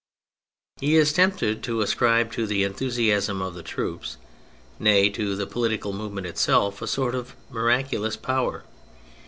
He is tempted to ascribe to the enthusiasm of the troops, nay, to the political movement itself, a sort of miraculous power.